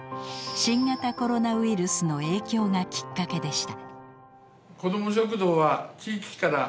新型コロナウイルスの影響がきっかけでした。